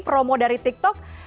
promo dari tiktok